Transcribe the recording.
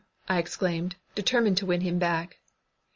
I exclaimed, determined to win him back.